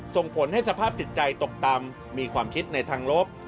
ส่งผลให้สภาพจิตใจตกต่ำมีความคิดในทางลบ